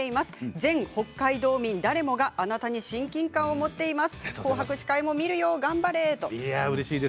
全北海道に誰もがあなたに親近感を持っています。